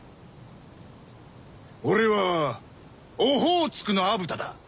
俺はオホーツクの虻田だ。